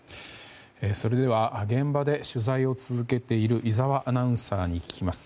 現場で取材を続けている井澤アナウンサーに聞きます。